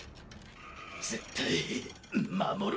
絶対守る！